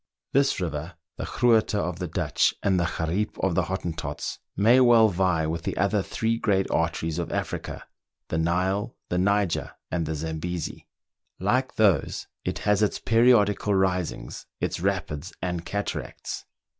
This river, the Groote of the Dutch, and the Gariep of the Hottentots, may well vie with the other three great arteries of Africa — the Nile, the Niger, and the Zambesi. Like those, it has its periodical risings, its rapids and cataracts.